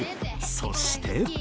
そして。